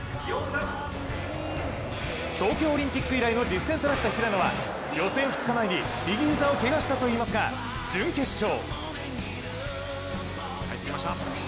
東京オリンピック以来の実戦となった平野は予選２日前に右膝をけがしたといいますが準決勝。